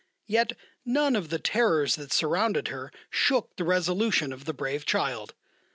Yet none of the terrors that surrounded her shook the resolution of the brave child.